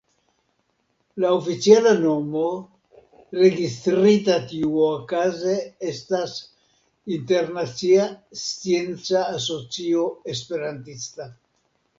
La oficiala nomo, registrita tiuokaze estas Internacia Scienca Asocio Esperantista.